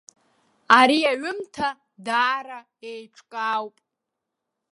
Ари аҩымҭа даара еиҿкаауп.